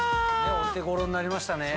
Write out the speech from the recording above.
お手頃になりましたね。